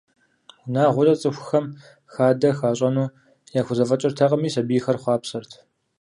Унагъуэкӏэ цӏыхухэм хадэ хащӏэну яхузэфӏэкӏыртэкъыми, сабийхэр хъуапсэрт.